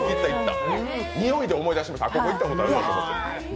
においで思い出しました、ここ行ったことあるって。